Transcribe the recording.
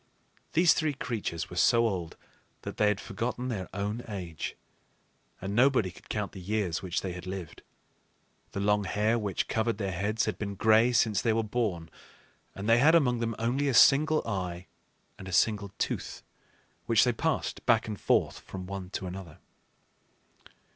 These three creatures were so old that they had forgotten their own age, and nobody could count the years which they had lived. The long hair which covered their heads had been gray since they were born; and they had among them only a single eye and a single tooth which they passed back and forth from one to another.